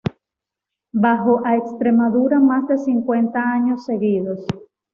Bajó a Extremadura más de cincuenta años seguidos.